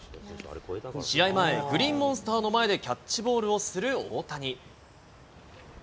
試合前、グリーンモンスターの前でキャッチボールをする大谷。